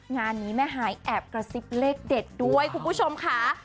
งานนี้แม่หายแอบกระซิบเลขเด็ดด้วยคุณผู้ชมค่ะ